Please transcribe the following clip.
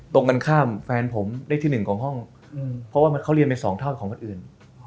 ตรงกันข้ามแฟนผมได้ที่๑ของห้องเพราะว่าเขาเรียนไปสองทอดของคนอื่น